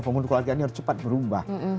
pembunuh keluarga ini harus cepat berubah